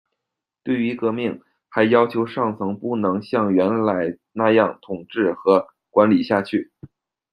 对于革命，还要求上层不能象原来那样统治和管理下去。